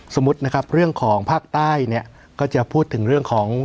สมมุตินะครับเรื่องของภาคใต้เนี่ยก็จะพูดถึงเรื่องของ